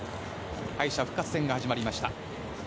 敗者復活戦が始まりました。